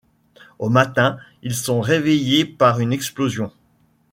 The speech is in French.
Au matin, ils sont réveillés par une explosion.